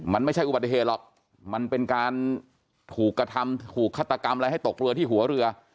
มันไม่ใช่อุบัติเหตุหรอกมันเป็นการถูกกระทำถูกฆาตกรรมอะไรให้ตกเรือที่หัวเรือ